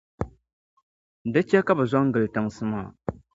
Di chɛ ka bɛ zo n-gili tiŋsi maa.